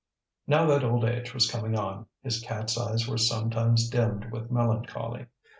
Now that old age was coming on, his cat's eyes were sometimes dimmed with melancholy.